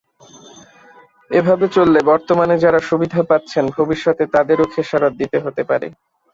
এভাবে চললে বর্তমানে যাঁরা সুবিধা পাচ্ছেন, ভবিষ্যতে তাঁদেরও খেসারত দিতে হতে পারে।